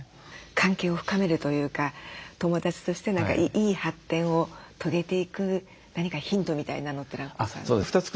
関係を深めるというか友だちとしていい発展を遂げていく何かヒントみたいなのってのはございますか？